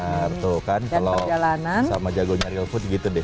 arto kan kalau sama jagonya real food gitu deh